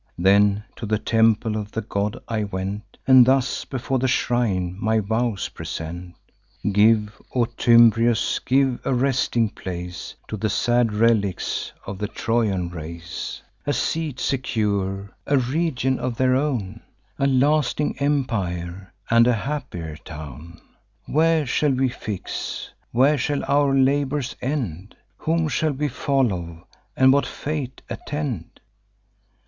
Then to the temple of the god I went, And thus, before the shrine, my vows present: 'Give, O Thymbraeus, give a resting place To the sad relics of the Trojan race; A seat secure, a region of their own, A lasting empire, and a happier town. Where shall we fix? where shall our labours end? Whom shall we follow, and what fate attend?